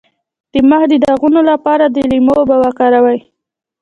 د مخ د داغونو لپاره د لیمو اوبه وکاروئ